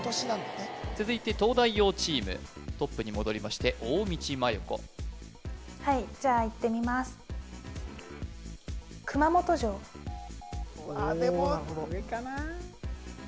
続いて東大王チームトップに戻りまして大道麻優子はいじゃあいってみますあっでも上かな？